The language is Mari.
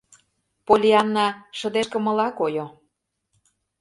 Поллианна шыдешкымыла койо.